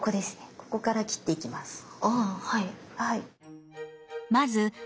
ここから切っていきます。